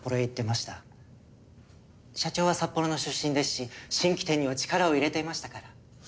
社長は札幌の出身ですし新規店には力を入れていましたから。